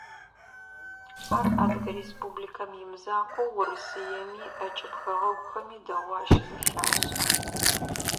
Ар Адыгэ Республикэм имызакъоу Урысыеми, ӏэкӏыб хэгъэгухэми дэгъоу ащызэлъашӏэ.